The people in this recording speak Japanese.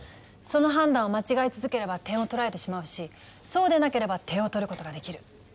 その判断を間違え続ければ点を取られてしまうしそうでなければ点を取ることができる。